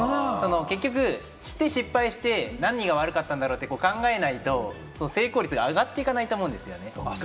結局、して失敗して何が悪かったんだろう？って考えないと、成功率が上がっていかないと思うんですよ。